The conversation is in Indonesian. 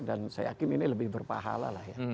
dan saya yakin ini lebih berpahala lah ya